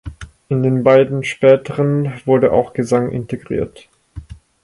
In den beiden späteren wurde auch Gesang integriert.